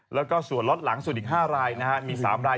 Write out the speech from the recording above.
แล้วก็ส่วนลดหลังส่วนอีก๕รายนะครับ